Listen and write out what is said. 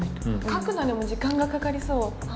書くのにも時間がかかりそう。